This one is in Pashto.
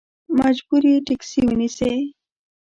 مجبور یې ټیکسي ونیسې.